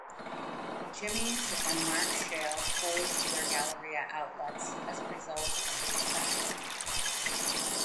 Jimmy'z and Mark Shale closed their Galleria outlets as a result of the recession.